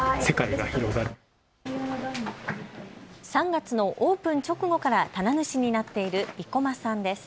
３月のオープン直後から棚主になっている生駒さんです。